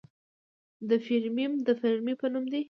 د فیرمیم د فیرمي په نوم دی.